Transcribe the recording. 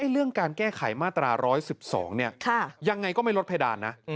เรื่องการแก้ไขมาตรา๑๑๒ยังไงก็ไม่ลดเพดานนะ